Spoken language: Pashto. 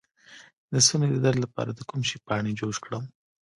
د ستوني د درد لپاره د کوم شي پاڼې جوش کړم؟